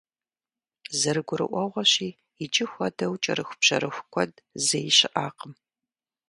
Зэрыгурыӏуэгъуэщи, иджы хуэдэу кӏэрыхубжьэрыху куэд зэи щыӏакъым.